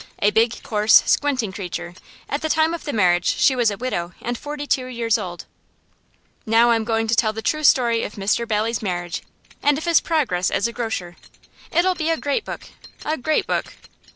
A big, coarse, squinting creature; at the time of the marriage she was a widow and forty two years old. Now I'm going to tell the true story of Mr Bailey's marriage and of his progress as a grocer. It'll be a great book a great book!